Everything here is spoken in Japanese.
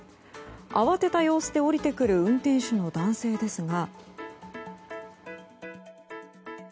慌てた様子で降りてくる運転手の男性ですが。